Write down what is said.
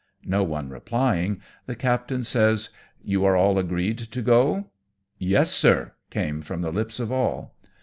I^^o one replying, the captain says, " You are all agreed to go ?"" Yes, sir," came from the lips of all.